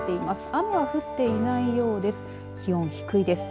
雨は降っていないようです。